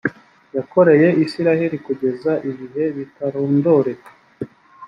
yakoreye isirayeli kugeza ibihe bitarondoreka